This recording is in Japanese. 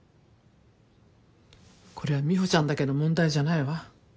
これは美帆ちゃんだけの問題じゃないわ。